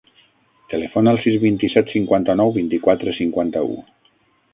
Telefona al sis, vint-i-set, cinquanta-nou, vint-i-quatre, cinquanta-u.